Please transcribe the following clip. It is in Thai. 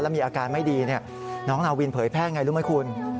มีอาการไม่ดีน้องนาวินเผยแพร่ไงรู้ไหมคุณ